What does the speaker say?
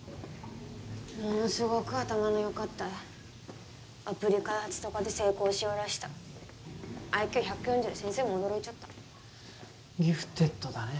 ものすごく頭のよかったいアプリ開発とかで成功しよらしたＩＱ１４０先生も驚いちょったギフテッドだね